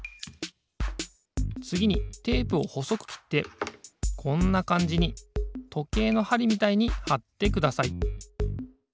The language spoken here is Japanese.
つぎにテープをほそくきってこんなかんじにとけいのはりみたいにはってください。